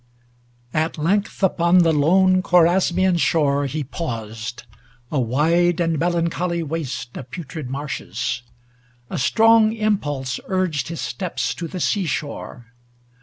At length upon the lone Chorasmian shore He paused, a wide and melancholy waste Of putrid marshes. A strong impulse urged His steps to the sea shore.